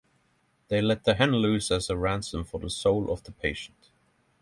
They let the hen loose as ransom for the soul of the patient.